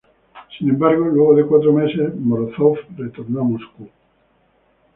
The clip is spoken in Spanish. Sin embargo, luego de cuatro meses, Morózov retornó a Moscú.